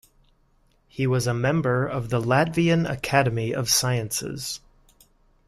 He was a member of the Latvian Academy of Sciences.